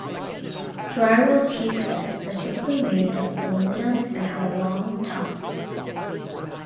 Drywall T-squares are typically made of aluminium and have a long tongue.